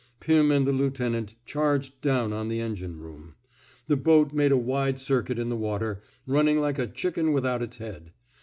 Pim and the lieutenant charged down on the engine room. The boat made a wide circuit in the water, running like a chicken without its head.